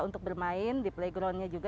untuk bermain di playgroundnya juga